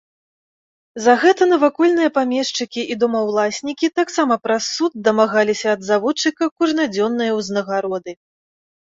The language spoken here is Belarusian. За гэта навакольныя памешчыкі і домаўласнікі таксама праз суд дамагаліся ад заводчыка кожнадзённае ўзнагароды.